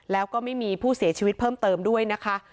แล้วก็ไม่มีผู้เสียชีวิตเพิ่มเติมด้วยนะคะ